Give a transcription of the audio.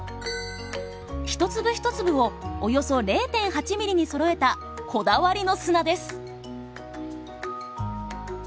一粒一粒をおよそ０．８ミリにそろえたこだわりの砂です。